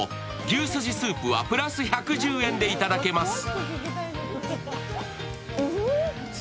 牛すじスープはプラス１１０円でいただけます。